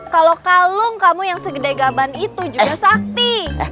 kalau kalung kamu yang segede gaban itu juga sakti